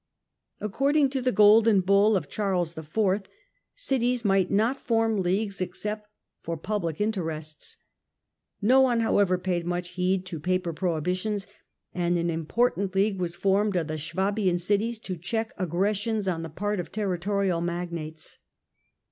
According to the Golden Bull of Charles IV. cities might not form leagues except for public interests. No one, however, paid much heed to paper prohibitions, and an important league was formed of the Swabian cities, to Swabiau check aggressions on the part of the territorial magnates.